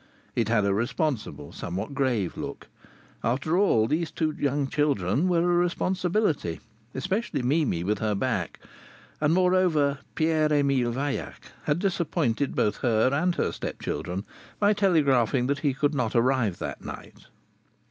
It had a responsible, somewhat grave look. After all, these two young children were a responsibility, especially Mimi with her back; and, moreover, Pierre Emile Vaillac had disappointed both her and her step children by telegraphing that he could not arrive that night.